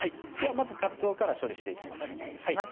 まずかつおから処理していきます